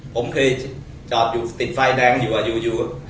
ผมเคยจอดอยู่ติดไฟแดงอยู่อยู่